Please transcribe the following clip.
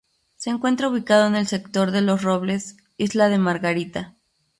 Se encuentra ubicado en el sector de Los Robles, isla de Margarita.